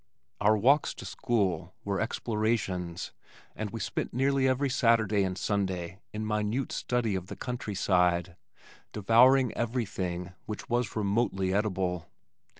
Our walks to school were explorations and we spent nearly every Saturday and Sunday in minute study of the country side, devouring everything which was remotely edible.